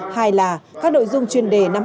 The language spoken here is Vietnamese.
hai là các nội dung chuyên đề năm hai nghìn hai mươi